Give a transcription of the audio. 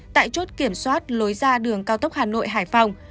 tại chốt kiểm soát lối ra đường cao tốc hà nội hải phòng